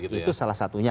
nah itu salah satunya